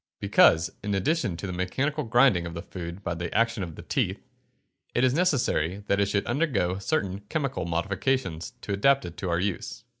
_ Because, in addition to the mechanical grinding of the food by the action of the teeth, it is necessary that it should undergo certain chemical modifications to adapt it to our use.